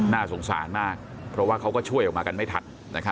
น่าสงสารมากเพราะว่าเขาก็ช่วยออกมากันไม่ทัน